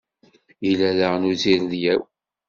Yella daɣen uzirdyaw.